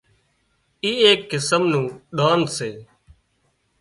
اي ايڪ قسم نُون ڌنَ سي